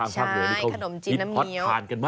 ใช่ขนมจีนน้ำเงี้ยว